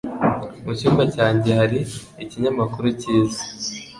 Mu cyumba cyanjye hari ikinyamakuru cyiza